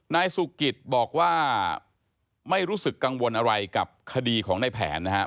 นายสุกิตบอกว่าไม่รู้สึกกังวลอะไรกับคดีของในแผนนะครับ